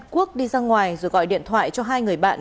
quốc đi ra ngoài rồi gọi điện thoại cho hai người bạn